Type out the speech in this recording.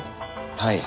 はい。